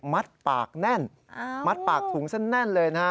มัดปากแน่นมัดปากถุงแน่นเลย